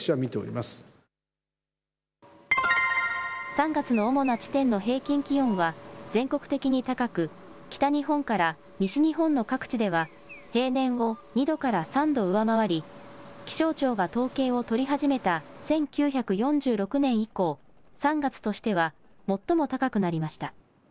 ３月の主な地点の平均気温は全国的に高く北日本から西日本の各地では平年を２度から３度上回り気象庁が統計を取り始めた１９４６年以降３月としては最も高くなりました。